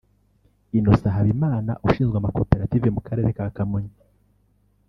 Innocent Habimana ushinzwe amakoperative mu karere ka Kamonyi